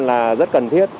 là rất cần thiết